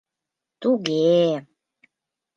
Туге-е.